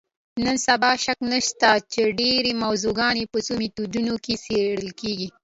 نن سبا شک نشته چې ډېری موضوعګانې په څو میتودونو څېړل کېږي.